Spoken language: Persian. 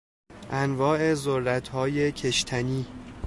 انواع ذرتهای کشتنی